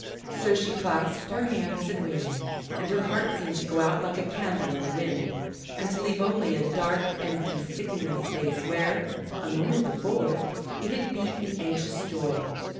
So she clasped her hands and waited, and her heart seemed to go out like a candle in the wind, and to leave only a dark, empty, sickening space where, a moment before, it had beat in anxious joy.